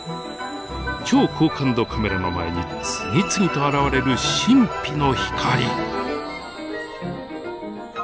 超高感度カメラの前に次々と現れる神秘の光。